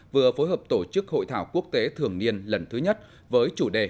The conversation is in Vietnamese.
vừa phối hợp tổ chức hội thảo quốc tế thường niên lần thứ nhất với chủ đề